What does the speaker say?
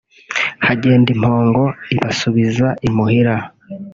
Hagenda impongo ibasubiza imuhira